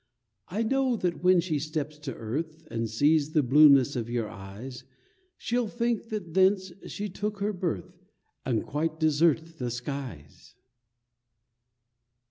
I know that when she steps to earth And sees the blueness of your eyes She'll think that thence she took her birth, And quite desert the skies!